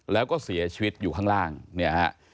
แล้วก็เสียชีวิตอยู่ข้างล่างเนี่ยฮะ